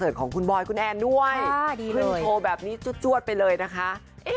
เหมือนของคุณบอยคุณแอนด้วยขึ้นโทรแบบนี้จวดไปเลยนะคะค่ะดีเลย